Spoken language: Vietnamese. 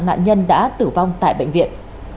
nạn nhân đã tử vong tại bệnh viện